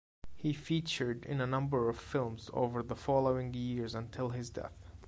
He featured in a number of films over the following years until his death.